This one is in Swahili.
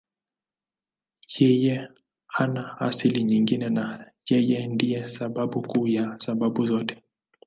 Yeye hana asili nyingine na Yeye ndiye sababu kuu ya sababu zote.